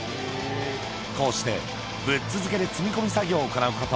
こうしてぶっ続けで積み込み作業を行うこと